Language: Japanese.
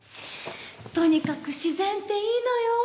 とにかく自然っていいのよ？